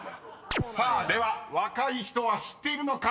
［では若い人は知っているのか。